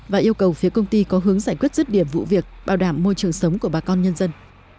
và yêu cầu phía công ty có hướng giải quyết rứt điểm vụ việc bảo đảm môi trường sống của bà con nhân dân